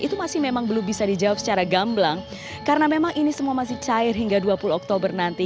itu masih memang belum bisa dijawab secara gamblang karena memang ini semua masih cair hingga dua puluh oktober nanti